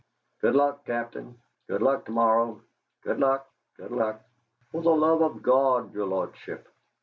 "Good luck, Captain, good luck to morrow; good luck, good luck!... For the love of Gawd, your lordship!...